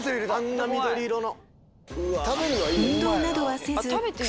あんな緑色の。